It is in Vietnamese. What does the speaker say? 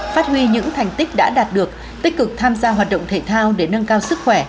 phát huy những thành tích đã đạt được tích cực tham gia hoạt động thể thao để nâng cao sức khỏe